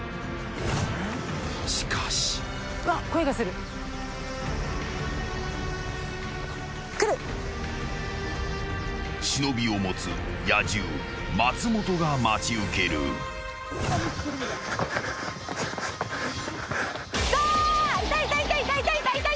［しかし］［忍を持つ野獣松本が待ち受ける］来た！